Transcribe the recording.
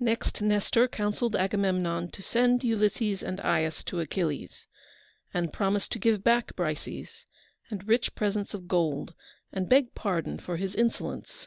Next Nestor counselled Agamemnon to send Ulysses and Aias to Achilles, and promise to give back Briseis, and rich presents of gold, and beg pardon for his insolence.